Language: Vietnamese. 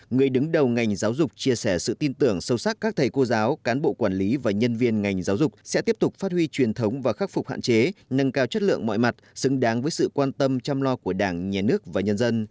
người đứng đầu ngành giáo dục chia sẻ sự tin tưởng sâu sắc các thầy cô giáo cán bộ quản lý và nhân viên ngành giáo dục sẽ tiếp tục phát huy truyền thống và khắc phục hạn chế nâng cao chất lượng mọi mặt xứng đáng với sự quan tâm chăm lo của đảng nhà nước và nhân dân